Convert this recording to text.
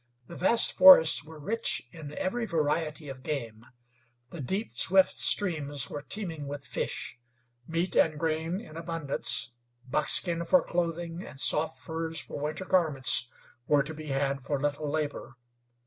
The vast forests were rich in every variety of game; the deep, swift streams were teeming with fish. Meat and grain in abundance, buckskin for clothing, and soft furs for winter garments were to be had for little labor.